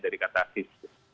dari kata fisik